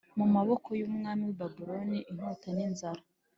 mu maboko y umwami w i Babuloni inkota n inzara